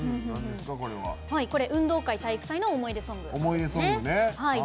これ、運動会・体育祭の思い出ソングですね。